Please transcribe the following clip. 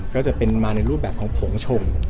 ก็จะเป็นมาในรูปแบบของผงชง